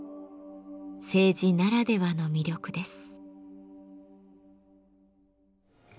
青磁ならではの魅力です。